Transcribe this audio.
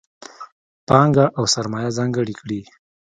پانګه او سرمایه ځانګړې کړي.